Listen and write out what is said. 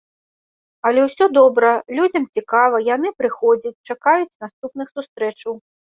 Але ўсё добра, людзям цікава, яны прыходзяць, чакаюць наступных сустрэчаў.